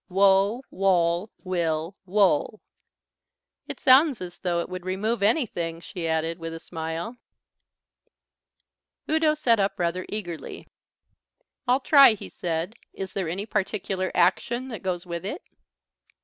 _ Wo, woll, will, wole." "It sounds as though it would remove anything," she added, with a smile. Udo sat up rather eagerly. "I'll try," he said. "Is there any particular action that goes with it?"